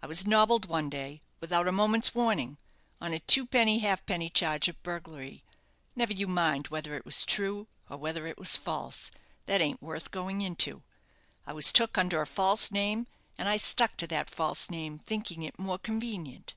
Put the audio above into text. I was nobbled one day, without a moment's warning, on a twopenny halfpenny charge of burglary never you mind whether it was true, or whether it was false that ain't worth going into. I was took under a false name, and I stuck to that false name, thinking it more convenient.